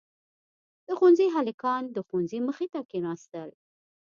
• د ښونځي هلکان د ښوونکي مخې ته کښېناستل.